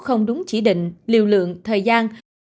không đúng chỉ định liều lượng thời gian